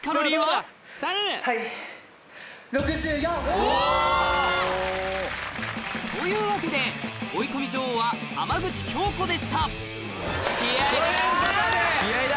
お！というわけで追い込み女王は浜口京子でした気合だ！